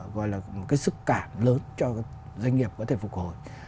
gọi là một cái sức cản lớn cho doanh nghiệp có thể phục hồi